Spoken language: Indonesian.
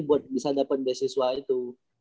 buat bisa dapat beasiswa itu